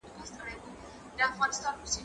زه مخکي د کتابتوننۍ سره مرسته کړې وه!.